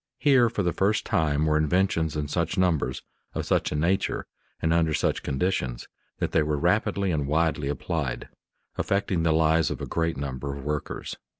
Here for the first time were inventions in such numbers, of such a nature, and under such conditions, that they were rapidly and widely applied, affecting the lives of a great number of workers.